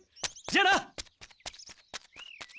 じゃあな！